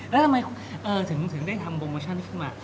แล้วทำไมถึงได้ทำโปรโมชั่น